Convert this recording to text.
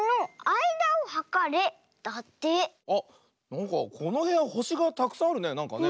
あっなんかこのへやほしがたくさんあるねなんかね。